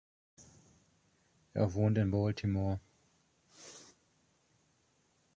Er wohnt in Baltimore.